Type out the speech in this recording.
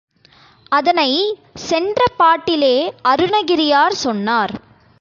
அதனைச் சென்ற பாட்டிலே அருணகிரியார் சொன்னார்.